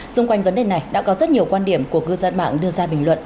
xung quanh vấn đề này đã có rất nhiều quan điểm của cư dân mạng đưa ra bình luận